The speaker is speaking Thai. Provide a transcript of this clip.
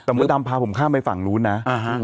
เมือดำพาผมข้ามไปฝั่งหลุ้นนะอาฮัง